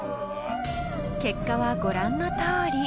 ［結果はご覧のとおり］